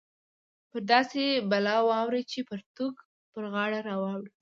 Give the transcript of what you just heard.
پر داسې بلا واوړې چې پرتوګ پر غاړه راوړې